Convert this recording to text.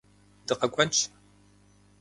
Дыкъэкӏуэнщ.